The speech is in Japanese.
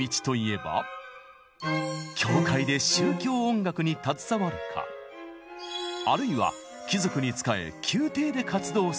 教会で宗教音楽に携わるかあるいは貴族に仕え宮廷で活動するか。